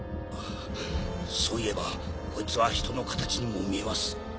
そういえばこいつは人の形にも見えます。